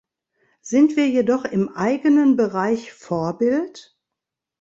Sind wir jedoch im eigenen Bereich Vorbild?